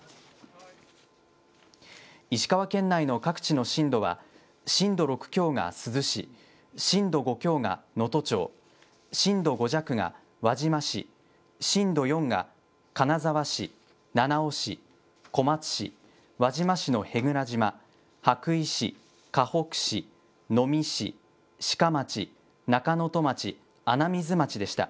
石川県内の各地の震度は、震度６強が珠洲市、震度５強が能登町、震度５弱が輪島市、震度４が金沢市、七尾市、小松市、輪島市の舳倉島、羽咋市、かほく市、能美市、志賀町、中能登町、穴水町でした。